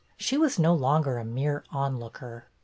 She was no longer a mere onlooker.